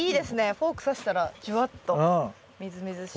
フォーク刺したらじゅわっとみずみずしい。